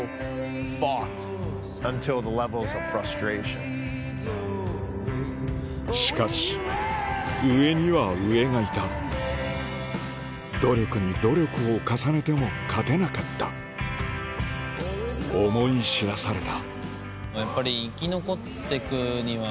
勝ちたいしかし上には上がいた努力に努力を重ねても勝てなかった思い知らされたやっぱり。